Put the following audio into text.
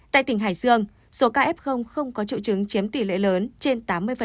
tại tỉnh hải dương số ca f không có chủ trứng chiếm tỷ lệ lớn trên tám mươi